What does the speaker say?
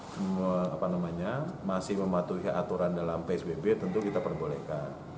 jadi apa namanya masih mematuhi aturan dalam psbb tentu kita perbolehkan